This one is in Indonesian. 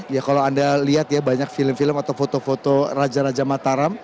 ya kalau anda lihat ya banyak film film atau foto foto raja raja mataram